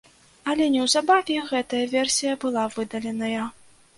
Але неўзабаве гэтая версія была выдаленая.